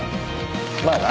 まあな。